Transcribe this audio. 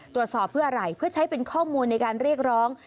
ตรวจสอบเพื่ออะไรเพื่อใช้เป็นข้อมูลในการเรียกร้อง